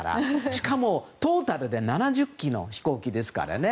しかもトータルで７０機の飛行機ですからね。